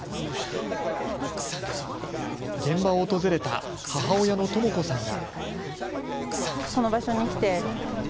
現場を訪れた母親のとも子さんは。